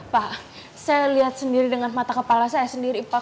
pak saya lihat sendiri dengan mata kepala saya sendiri